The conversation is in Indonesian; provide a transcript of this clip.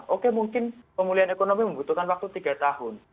oke mungkin pemulihan ekonomi membutuhkan waktu tiga tahun